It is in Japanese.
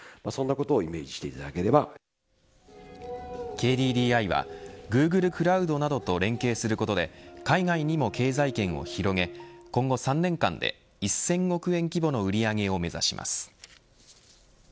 ＫＤＤＩはグーグルクラウドなどと連携することで海外にも経済圏を広げ今後３年間で１０００億円規模の売り上げを目指します。